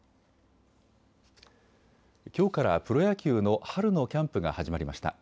きょうからプロ野球の春のキャンプが始まりました。